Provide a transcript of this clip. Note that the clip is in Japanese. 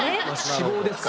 脂肪ですから。